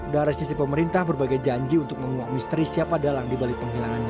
dari sisi pemerintah berbagai janji untuk menguap misteri siapa dalang dibalik penghilangannya